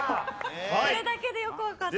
あれだけでよくわかった。